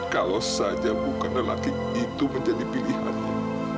kalau saja bukanlah laki itu menjadi pilihannya